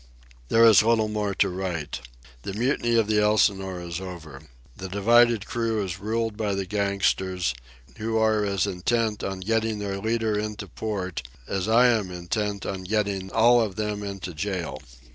There is little more to write. The mutiny of the Elsinore is over. The divided crew is ruled by the gangsters, who are as intent on getting their leader into port as I am intent on getting all of them into jail.